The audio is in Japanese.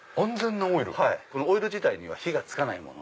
オイル自体には火が付かない。